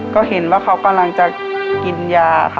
ก็เห็นว่าเขากำลังจะกินยาค่ะ